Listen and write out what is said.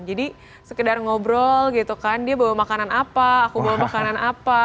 jadi sekedar ngobrol gitu kan dia bawa makanan apa aku bawa makanan apa